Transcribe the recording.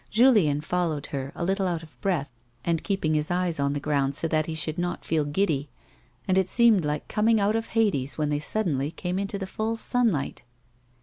Julien followed her, a little out of breath, and keeping his eyes on the ground so that he should not feel giddy and it seemed like coming out of Hades when they suddenly came into the full sunlight.